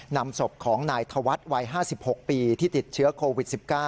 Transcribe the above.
นำศพของนายธวัฒน์วัย๕๖ปีที่ติดเชื้อโควิด๑๙